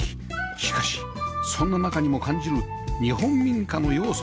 しかしそんな中にも感じる日本民家の要素